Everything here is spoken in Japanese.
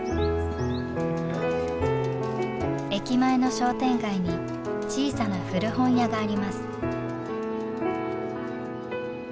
駅前の商店街に小さな古本屋があります。